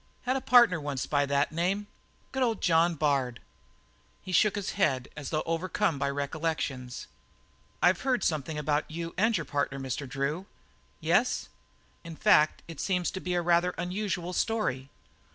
"Had a partner once by that name. Good old John Bard!" He shook his head, as though overcome by recollections. "I've heard something about you and your partner, Mr. Drew." "Yes?" "In fact, it seems to be a rather unusual story."